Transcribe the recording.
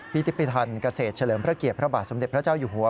พิธีพิธันเกษตรเฉลิมพระเกียรติพระบาทสมเด็จพระเจ้าอยู่หัว